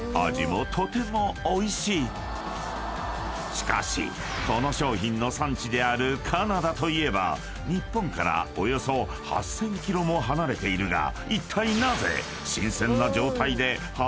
［しかしこの商品の産地であるカナダといえば日本からおよそ８，０００ｋｍも離れているがいったい］